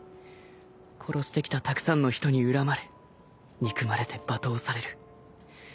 殺してきたたくさんの人に恨まれ憎まれて罵倒される。